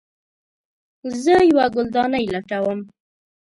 زه یوه ګلدانۍ لټوم